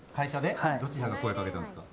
どちらが声掛けたんですか？